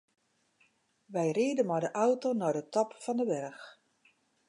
Wy ride mei de auto nei de top fan de berch.